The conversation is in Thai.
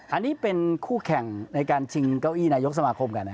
อันนี้เป็นคู่แข่งในการชิงเก้าอี้นายกสมาคมกัน